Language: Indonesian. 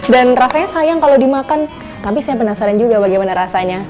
dan rasanya sayang kalau dimakan tapi saya penasaran juga bagaimana rasanya